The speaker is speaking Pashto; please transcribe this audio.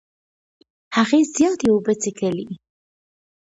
هغې زياتې اوبه څښې.